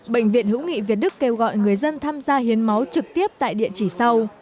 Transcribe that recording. bệnh viện hữu nghị việt đức kêu gọi người dân tham gia hiến máu trực tiếp tại địa chỉ sau